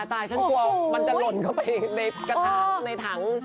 ตายฉันกลัวมันจะหล่นเข้าไปในถัง